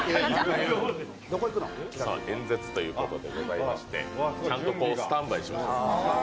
演説ということでございましてちゃんとスタンバイします。